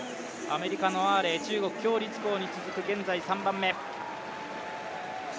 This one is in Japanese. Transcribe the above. アメリカのアーレイ、中国の鞏立コウに続く現在３番目。